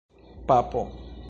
papo